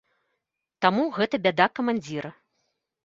Таму гэта бяда камандзіра.